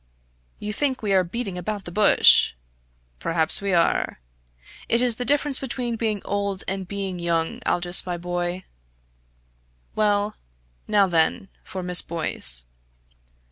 You think we are beating about the bush. Perhaps we are. It is the difference between being old and being young, Aldous, my boy. Well now then for Miss Boyce.